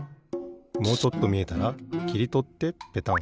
もうちょっとみえたらきりとってペタン。